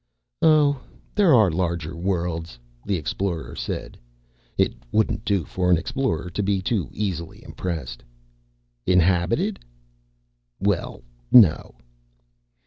"Oh, there are larger worlds," the Explorer said. It wouldn't do for an Explorer to be too easily impressed. "Inhabited?" "Well, no."